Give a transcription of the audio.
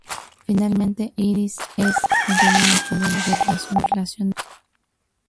Finalmente, Iris y Eddie continúan escondiendo su relación de Joe.